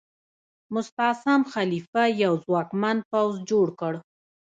مستعصم خلیفه یو ځواکمن پوځ جوړ کړ.